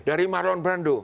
dari marlon brando